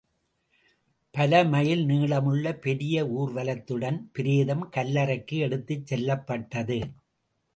பல மைல் நீளமுள்ள பெரிய ஊர்வலத்துடன் பிரேதம் கல்லறைக்கு எடுத்துச் செல்வப்பட்டது.